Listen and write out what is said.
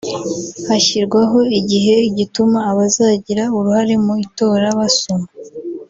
hashyirwaho igihe gituma abazagira uruhare mu itora basoma